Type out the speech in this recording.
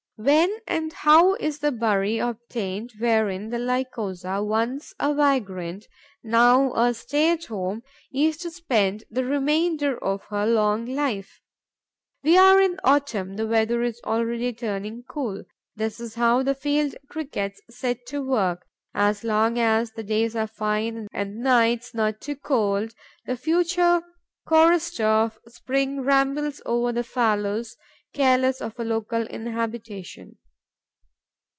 When and how is the burrow obtained wherein the Lycosa, once a vagrant, now a stay at home, is to spend the remainder of her long life? We are in autumn, the weather is already turning cool. This is how the Field Cricket sets to work: as long as the days are fine and the nights not too cold, the future chorister of spring rambles over the fallows, careless of a local habitation.